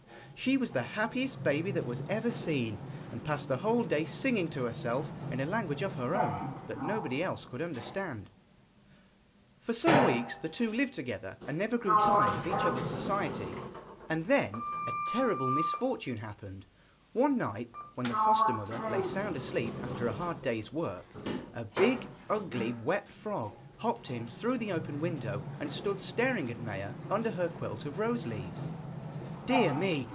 She was the happiest baby that ever was seen, and passed the whole day singing to herself, in a language of her own, that nobody else could understand. For some weeks the two lived together and never grew tired of each other's society, and then a terrible misfortune happened. One night, when the foster mother lay sound asleep after a hard day's work, a big, ugly, wet frog hopped in through the open window and stood staring at Maia under her quilt of rose leaves. 'Dear me!